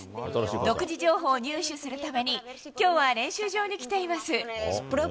独自情報を入手するために、きょうは練習場に来ています。